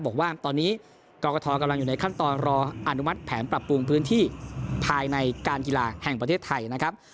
บอกว่าตอนนี้กรกฐกำลังอยู่ในขั้นตอนรออนุมัติแผนปรับปรุงพื้นที่ภายในการกีฬาแห่งประเทศไทยนะครับ